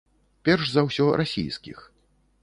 Перш за ўсё расійскіх.